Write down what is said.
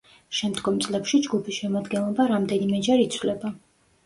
შემდგომ წლებში ჯგუფის შემადგენლობა რამდენიმეჯერ იცვლება.